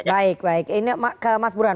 baik baik ini ke mas burhan